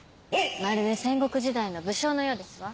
まるで戦国時代の武将のようですわ。